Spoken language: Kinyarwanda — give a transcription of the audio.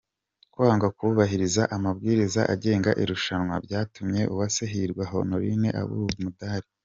Kwanga kubahiriza amabwiriza agenga irushanwa, byatumye Uwase Hirwa Honorine abura umudari.